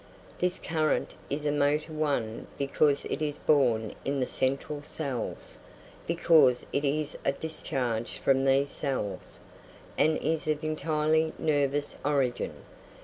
This current is a motor one because it is born in the central cells, because it is a discharge from these cells, and is of entirely nervous origin.